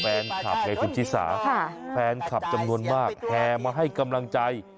แฟนคลับไงคุณชิสาแฟนคลับจำนวนมากแห่มาให้กำลังใจ